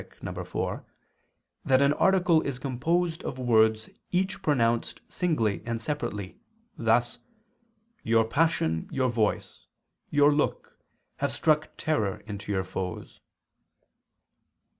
iv) that an article is composed of words each pronounced singly and separately, thus: "Your passion, your voice, your look, have struck terror into your foes."